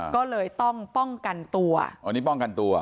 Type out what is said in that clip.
ก็เลยต้องป้องกันตัวอ๋อนี่ป้องกันตัว